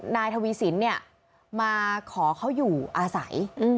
นายทวีสินเนี่ยมาขอเขาอยู่อาศัย